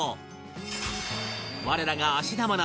我らが芦田愛菜